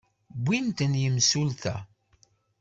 Wwin-ten yimsulta.